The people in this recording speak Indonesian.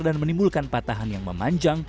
dan menimbulkan patahan yang memanjang